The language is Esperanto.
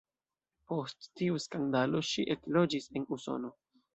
Post tiu skandalo ŝi ekloĝis en Usono.